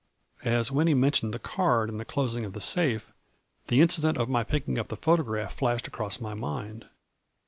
" As Winnie mentioned the card and the closing of the safe, the incident of my picking up the photograph flashed across my mind.